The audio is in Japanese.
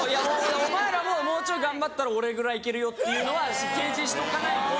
・お前らももうちょい頑張ったら俺ぐらいいけるよっていうのは提示しとかないと。